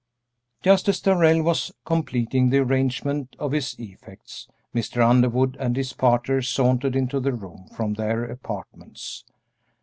Just as Darrell was completing the arrangement of his effects, Mr. Underwood and his partner sauntered into the room from their apartments.